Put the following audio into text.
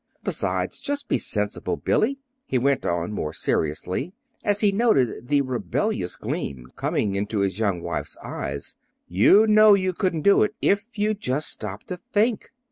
Besides, just be sensible, Billy," he went on more seriously, as he noted the rebellious gleam coming into his young wife's eyes; "you'd know you couldn't do it, if you'd just stop to think.